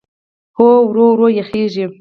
هوا ورو ورو یخېږي.